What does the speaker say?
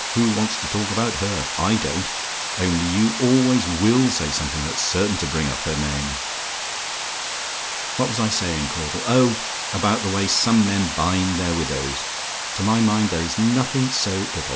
Who wants to talk about her? I don't: only you always will say something that's certain to bring up her name. "What was I saying, Caudle? Oh, about the way some men bind their widows. To my mind, there is nothing so little.